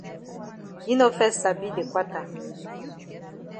Yi no fes sabi de kwata.